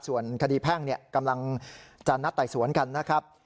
ส่วนคดีแพ่งกำลังจะนัดไต่สวนกันนะครับ